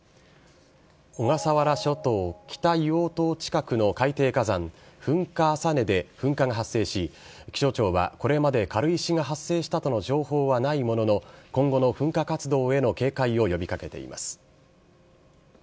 小笠原諸島・北硫黄島近くの海底火山、噴火浅根で噴火が発生し、気象庁はこれまで軽石が発生したとの情報はないものの、今後の噴火活動への警戒を呼びかけています。